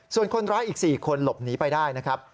ส่วนคนร้ายอีก๔คนหลบหนีไปได้นะครับ